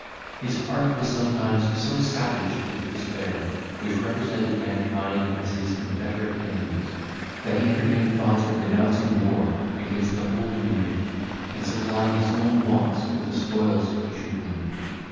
His heart was sometimes so savaged with despair, which represented mankind as his inveterate enemies, that he entertained thoughts of denouncing war against the whole community, and supplying his own wants with the spoils he should win.